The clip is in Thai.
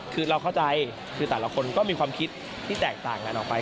คือเราเข้าใจคือแต่ละคนก็มีความคิดที่แตกต่างกันออกไป